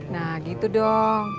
nah gitu dong